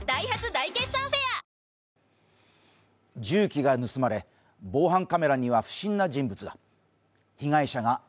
重機が盗まれ防犯カメラには不審な人物が。